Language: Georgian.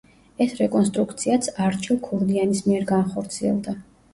ეს რეკონსტრუქციაც არჩილ ქურდიანის მიერ განხორციელდა.